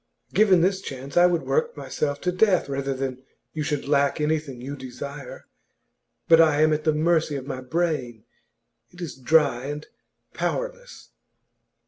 Given this chance, I would work myself to death rather than you should lack anything you desire. But I am at the mercy of my brain; it is dry and powerless.